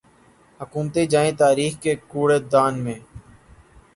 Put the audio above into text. حکومتیں جائیں تاریخ کے کوڑے دان میں۔